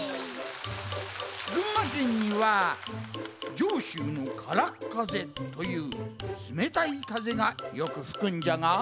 群馬県には「じょうしゅうのからっかぜ」というつめたいかぜがよくふくんじゃが。